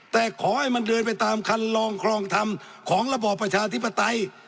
แต่ขอให้มันเดินไปตามคันลองคลองธรรมของระบอบประชาธิปไตย